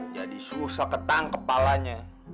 jadi susah ketang kepalanya